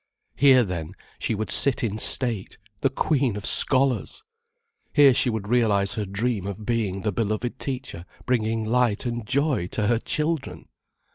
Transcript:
Here, then, she would sit in state, the queen of scholars! Here she would realize her dream of being the beloved teacher bringing light and joy to her children!